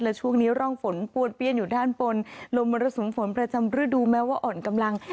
และช่วงนี้ร่องฝนป้วนเปี้ยนอยู่ด้านบนลมมรสุมฝนประจำฤดูแม้ว่าอ่อนกำลัง